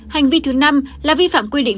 hành vi thứ năm là vi phạm quy định